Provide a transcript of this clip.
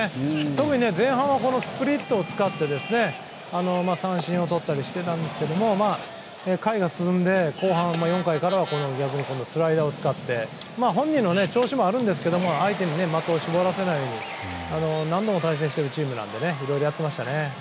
特に前半はスプリットを使って三振をとったりしてたんですが回が進んで後半４回からは逆にスライダーを使って本人の調子もありますが相手に的を絞らせないように何度も対戦しているチームなのでいろいろやっていましたね。